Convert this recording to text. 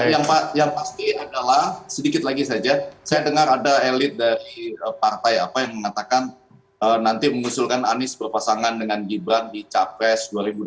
yang pasti adalah sedikit lagi saja saya dengar ada elit dari partai apa yang mengatakan nanti mengusulkan anies berpasangan dengan gibran di capres dua ribu dua puluh